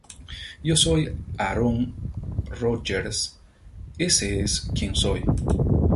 Yo soy Aaron Rodgers, ese es quien soy.